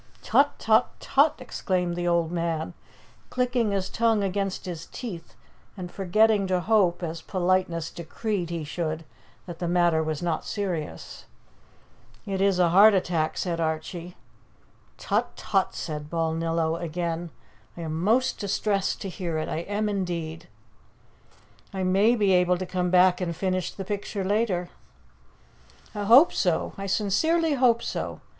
"Tut, tut, tut!" exclaimed the old man, clicking his tongue against his teeth and forgetting to hope, as politeness decreed he should, that the matter was not serious. "It is a heart attack," said Archie. "Tut, tut," said Balnillo again. "I am most distressed to hear it; I am indeed." "I may be able to come back and finish the picture later." "I hope so. I sincerely hope so.